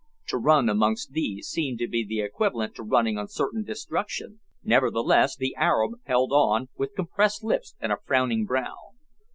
To run amongst these seemed to be equivalent to running on certain destruction, nevertheless the Arab held on, with compressed lips and a frowning brow.